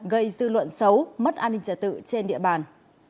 gây dư luận xấu mất an ninh trả tự trên địa bàn